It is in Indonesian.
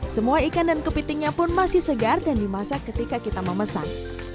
semua ikan dan kepitingnya pun masih segar dan dimasak ketika kita memesan